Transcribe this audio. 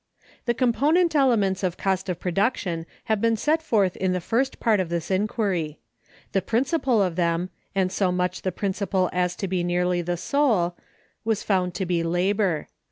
The component elements of Cost of Production have been set forth in the First Part of this inquiry.(214) The principal of them, and so much the principal as to be nearly the sole, was found to be Labor.